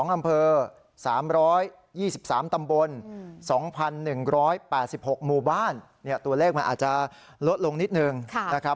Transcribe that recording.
๒อำเภอ๓๒๓ตำบล๒๑๘๖หมู่บ้านตัวเลขมันอาจจะลดลงนิดนึงนะครับ